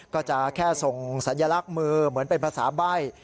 ก็จะแค่ส่งสัญลักษณ์มือเหมือนเป็นภาษาใบ้